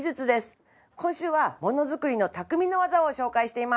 今週はものづくりの匠の技を紹介しています。